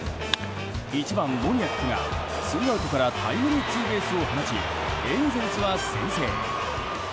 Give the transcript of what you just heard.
１番、モニアックがツーアウトからタイムリーツーベースを放ちエンゼルスは先制。